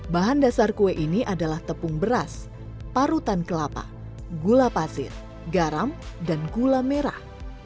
bahan dasar kue ini adalah tepung beras parutan kelapa gula pasir garam dan gula merah